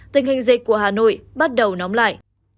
tình hình dịch của hà nội bắt đầu nóng lại